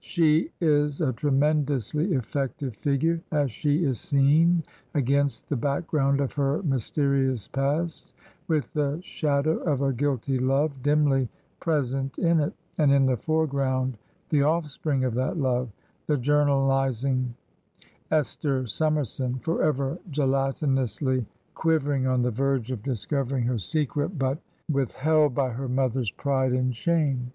She is a tremendously effective figure, as she is seen against the background of her mys terious past, with the shadow of a guilty love dimly pres ent in it, and in the foreground the ofiFspring of that love, the journalizing Esther Summerson, forever gelatinous ly quivering on the verge of discovering her secret, but withheld by her mother's pride and shame.